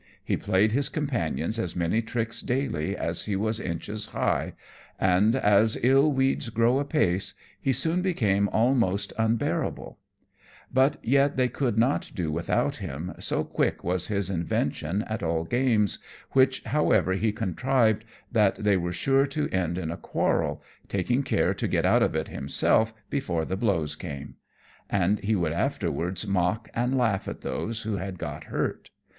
He played his companions as many tricks daily as he was inches high, and, as "ill weeds grow apace," he soon became almost unbearable; but yet they could not do without him, so quick was his invention at all games, which, however, he so contrived that they were sure to end in a quarrel, taking care to get out of it himself before the blows came; and he would afterwards mock and laugh at those who had got hurt.